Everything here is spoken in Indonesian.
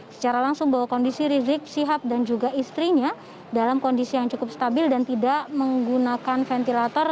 secara langsung bahwa kondisi rizik syihab dan juga istrinya dalam kondisi yang cukup stabil dan tidak menggunakan ventilator